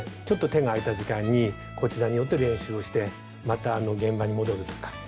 ちょっと手が空いた時間にこちらに寄って練習をしてまた現場に戻るとか。